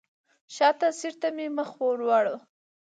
شاته سیټ ته مې مخ واړوه.